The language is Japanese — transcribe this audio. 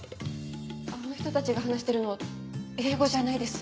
あの人たちが話してるの英語じゃないです。